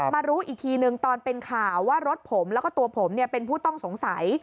มารู้อีกทีนึงตอนเป็นข่าวว่ารถผมแล้วก็ตัวผมเป็นผู้ต้องสงสัย